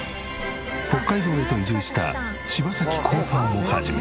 北海道へと移住した柴咲コウさんを始め。